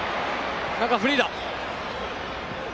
中、フリーだ！